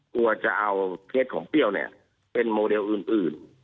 กลัวจะเอาเคสของเปรี้ยวเนี่ยเป็นโมเดลอื่น